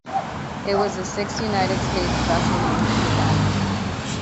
It was the sixth United States vessel named "Revenge".